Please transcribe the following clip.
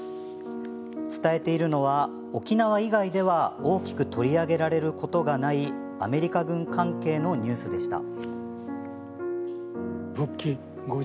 伝えているのは、沖縄以外では大きく取り上げられることがないアメリカ軍関係のニュースでした。